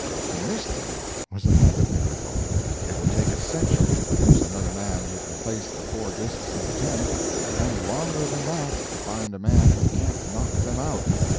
To miss them was another miracle. It will take a century to produce another man who can place the four disks in the 10; and longer than that to find a man who can't knock them out.